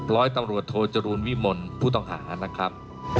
ร้อยตำรวจโทจรูลวิมลผู้ต้องหานะครับ